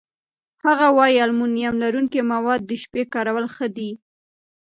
هغه وايي المونیم لرونکي مواد د شپې کارول ښه دي.